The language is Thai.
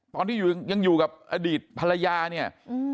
ตอนที่ยังอยู่กับอดีตภรรยาเนี่ย